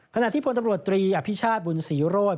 ขณะที่พลตำรวจตรีอภิชาติบุญศรีโรธ